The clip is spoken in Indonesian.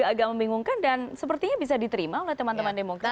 agak membingungkan dan sepertinya bisa diterima oleh teman teman demokrat